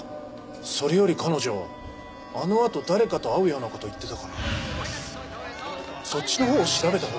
それより彼女あのあと誰かと会うような事を言ってたからそっちのほうを調べたほうがいいんじゃないですか？